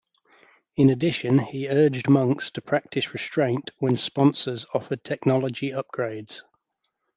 In addition he urged monks to practise restraint when sponsors offer technology upgrades.